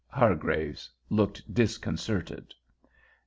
Hargraves looked disconcerted.